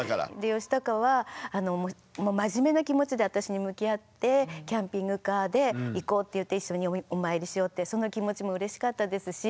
ヨシタカはもう真面目な気持ちで私に向き合ってキャンピングカーで行こうって言って一緒にお参りしようってその気持ちもうれしかったですし